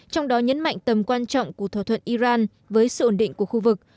trong đó nhấn mạnh tầm quan trọng của thỏa thuận iran với sự ổn định của khu vực